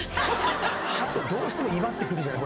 ハトどうしても威張ってくるじゃない！